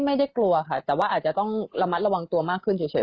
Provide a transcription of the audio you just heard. ไม่ได้กลัวค่ะแต่ว่าอาจจะต้องระมัดระวังตัวมากขึ้นเฉย